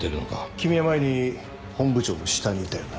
君は前に本部長の下にいたよな。